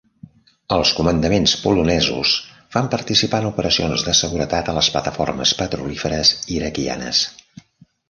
Els comandaments polonesos van participar en operacions de seguretat a les plataformes petrolíferes iraquianes.